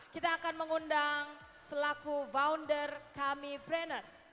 kita akan mengundang selaku founder kami planner